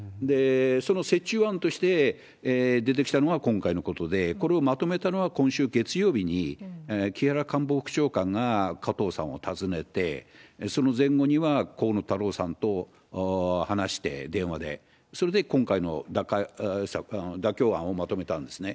その折衷案として出てきたのが今回のことで、これをまとめたのが今週月曜日に木原官房副長官が加藤さんを訪ねて、その前後には河野太郎さんと話して、電話で、それで今回の妥協案をまとめたんですね。